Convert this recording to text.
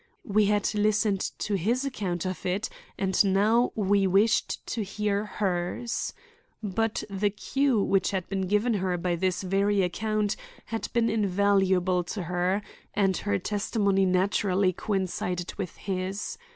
We had listened to his account of it and now we wished to hear hers. But the cue which had been given her by this very account had been invaluable to her, and her testimony naturally coincided with his.